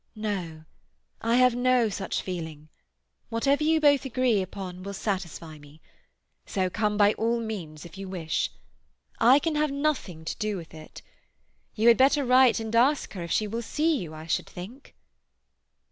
"No. I have no such feeling. Whatever you both agree upon will satisfy me. So come by all means if you wish. I can have nothing to do with it. You had better write and ask her if she will see you, I should think."